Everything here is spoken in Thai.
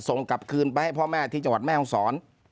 ส่งกลับคืนไปให้พ่อแม่ที่จังหวัดแม่ห้องศร